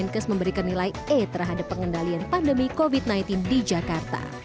kemenkes memberikan nilai e terhadap pengendalian pandemi covid sembilan belas di jakarta